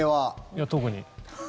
いや、特に。